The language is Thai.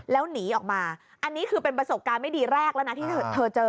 แล้วหนีออกมาอันนี้คือเป็นประสบการณ์ไม่ดีแรกแล้วนะที่เธอเจอ